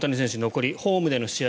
残りホームでの試合